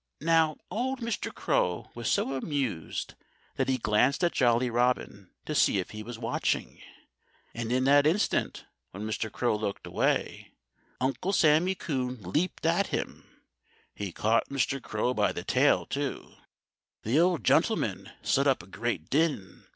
Now, old Mr. Crow was so amused that he glanced at Jolly Robin, to see if he was watching. And in that instant when Mr. Crow looked away, Uncle Sammy Coon leaped at him. He caught Mr. Crow by the tail, too. The old gentleman set up a great din.